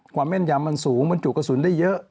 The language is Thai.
แม่นยำมันสูงมันจุกระสุนได้เยอะ